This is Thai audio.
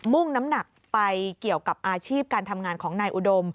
่งน้ำหนักไปเกี่ยวกับอาชีพการทำงานของนายอุดม